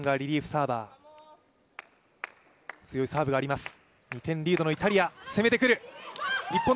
サーバー強いサーブがあります。